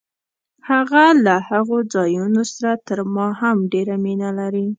هغه له هغو ځایونو سره تر ما هم ډېره مینه لري.